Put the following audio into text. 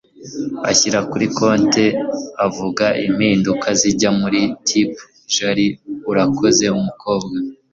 ashyira kuri compte avuga impinduka zijya muri tip jar urakoze umukobwa